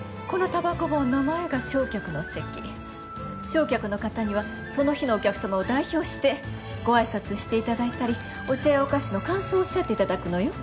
正客の方にはその日のお客さまを代表してご挨拶していただいたりお茶やお菓子の感想をおっしゃっていただくのよ。